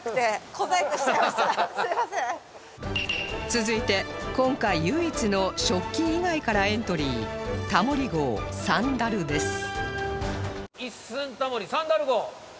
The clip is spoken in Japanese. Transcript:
続いて今回唯一の食器以外からエントリー一寸タモリサンダル号。